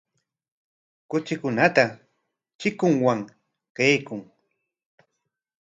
Kuchikunata chikunman qaykun.